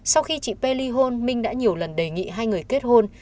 sau khi chị p ly hôn minh đã nhiều lần đề nghị hai người kết hôn